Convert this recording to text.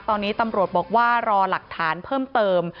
ตอนนี้ตำรวจบอกว่ารอหลักฐานเพิ่มเติม